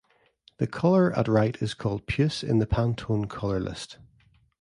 The color at right is called "puce" in the Pantone color list.